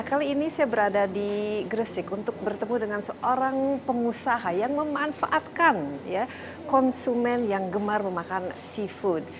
kali ini saya berada di gresik untuk bertemu dengan seorang pengusaha yang memanfaatkan konsumen yang gemar memakan seafood